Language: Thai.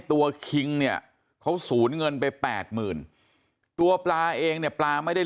คิงเนี่ยเขาสูญเงินไปแปดหมื่นตัวปลาเองเนี่ยปลาไม่ได้